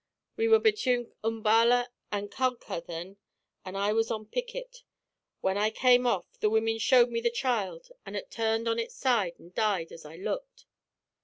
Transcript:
We were betune Umballa an' Kalka thin, an' I was on picket. When I came off, the women showed me the child, an' ut turned on uts side an' died as I looked.